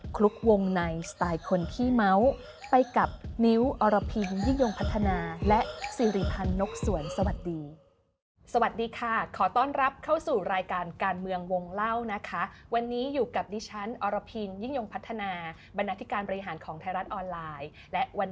คลุกวงในสไตล์คนที่เม้า